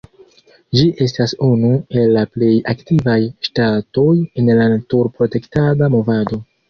Ĝi estas unu el la plej aktivaj ŝtatoj en la natur-protektada movado.